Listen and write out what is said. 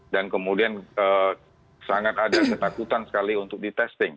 dan kemudian sangat ada ketakutan sekali untuk ditesting